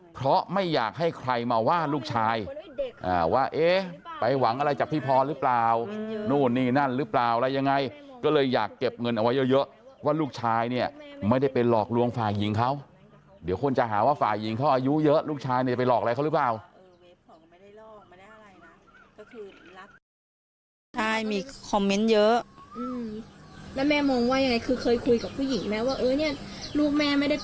เพราะไม่อยากให้ใครมาว่าลูกชายว่าเอ๊ะไปหวังอะไรจากพี่พรหรือเปล่านู่นนี่นั่นหรือเปล่าอะไรยังไงก็เลยอยากเก็บเงินเอาไว้เยอะว่าลูกชายเนี่ยไม่ได้ไปหลอกลวงฝ่ายหญิงเขาเดี๋ยวคนจะหาว่าฝ่ายหญิงเขาอายุเยอะลูกชายเนี่ยจะไปหลอกอะไรเขาหรือเปล่า